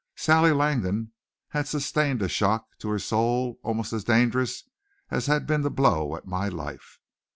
Sally Langdon had sustained a shock to her soul almost as dangerous as had been the blow at my life.